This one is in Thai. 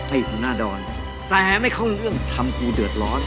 ถ้าอยู่หน้าดอนแต่ไม่เข้าเรื่องทำกูเดือดร้อน